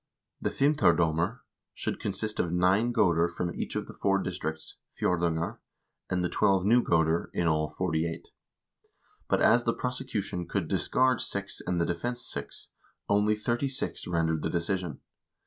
The fimtarddmr should consist of nine goder from each of the four districts (Jjdrfiungar) and the twelve new goder, in all forty eight ; but as the prosecution could discard six and the defense six, only thirty six rendered the decision.